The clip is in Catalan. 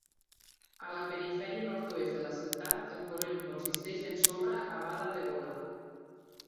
A la perifèria nord-oest de la ciutat, el corrent consisteix en sorra acabada de volar.